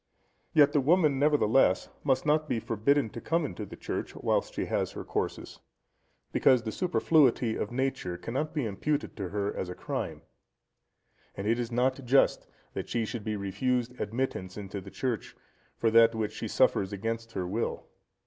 Yet the woman, nevertheless, must not be forbidden to come into the church whilst she has her courses; because the superfluity of nature cannot be imputed to her as a crime; and it is not just that she should be refused admittance into the church, for that which she suffers against her will.